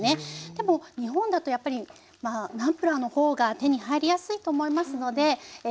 でも日本だとやっぱりまあナンプラーの方が手に入りやすいと思いますのでえ